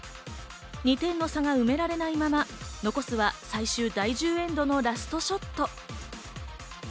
２点の差が埋められないまま、残すは最終エンドのラストショット。